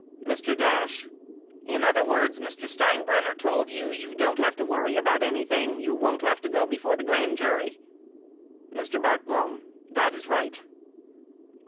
Mr. Dash. In other words, Mr. Steinbrenner told you, you don't have to worry about anything; you won't have to go before the grand jury. Mr. Bartlome. That is right.